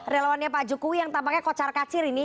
relawannya pak jokowi yang tampaknya kocar kacir ini